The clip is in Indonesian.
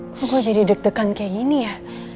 aku gue jadi deg degan kayak gini ya